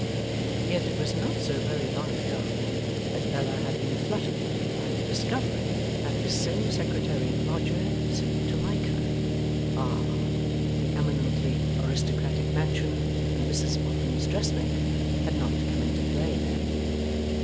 Yet it was not so very long ago that Bella had been fluttered by the discovery that this same Secretary and lodger seem to like her. Ah! but the eminently aristocratic mansion and Mrs Boffin's dressmaker had not come into play then.